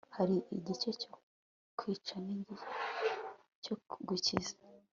hari igihe cyo kwica, n'igihe cyo gukiza